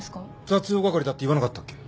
雑用係だって言わなかったっけ？